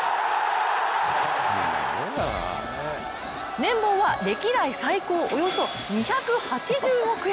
年俸は歴代最高およそ２８０億円！